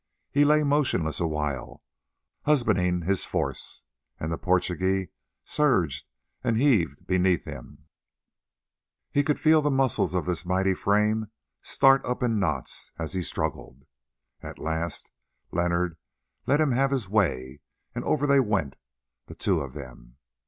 He lay motionless awhile, husbanding his force, and the Portugee surged and heaved beneath him; he could feel the muscles of his mighty frame start up in knots as he struggled. At last Leonard let him have his way, and over they went, the two of them.